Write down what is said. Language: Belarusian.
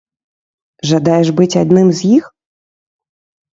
Жадаеш быць адным з іх?